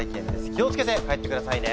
気を付けて帰ってくださいね。